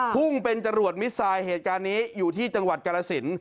พุ่งเป็นจรวดมิดทรายเหตุการณ์นี้อยู่ที่จังหวัดกรสิน